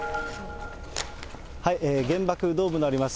原爆ドームのあります